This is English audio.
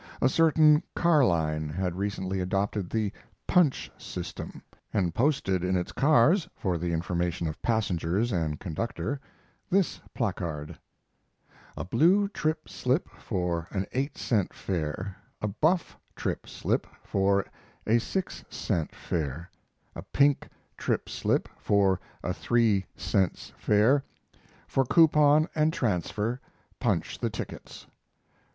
A certain car line had recently adopted the "punch system," and posted in its cars, for the information of passengers and conductor, this placard: A Blue Trip Slip for an 8 Cents Fare, A Buff Trip Slip for a 6 Cents Fare, A Pink Trip Slip for a 3 Cents Fare, For Coupon And Transfer, Punch The Tickets.